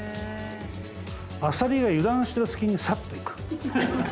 あさりが油断してる隙にサッと行く。